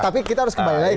tapi kita harus kembali lagi